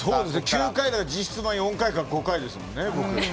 ９回だったら実質４回か５回ですもんね。